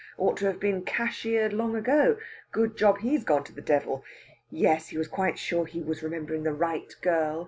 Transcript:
Ought to have been cashiered long ago. Good job he's gone to the devil! Yes, he was quite sure he was remembering the right girl.